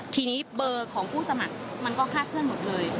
ทีนี้เบอร์ของผู้สมัครมันก็คาดเคลื่อนหมดเลย